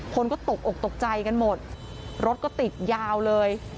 คนก็ตกอกตกใจกันหมดรถก็ติดยาวเลย